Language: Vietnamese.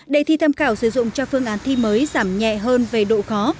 đề thi tham khảo sử dụng cho phương án thi mới giảm nhẹ hơn về độ khó